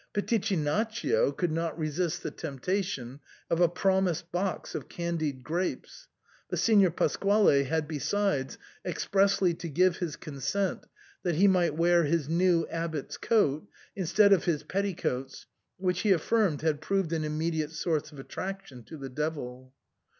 Pitichinaccio could not resist the temp tation of a promised box of candied grapes, but Signor Pasquale had besides expressly to give his consent that he might wear his new abbot's coat, instead of his pet ticoats, which he affirmed had proved an immediate source of attraction to the devil.